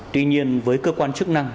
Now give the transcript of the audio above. tuy nhiên với cơ quan chức năng